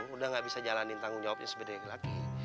udah nggak bisa jalanin tanggung jawabnya sebeda yang laki